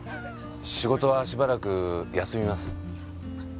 仕事はしばらく休みます。